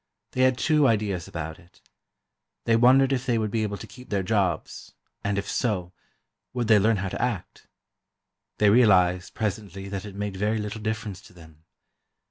They had two ideas about it: they wondered if they would be able to keep their jobs, and if so, would they learn how to act. They realized, presently, that it made very little difference to them.